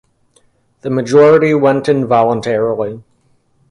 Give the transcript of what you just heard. The majority went in voluntarily.